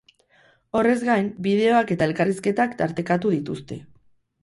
Horrez gain, bideoak eta elkarrizketak tartekatu dituzte.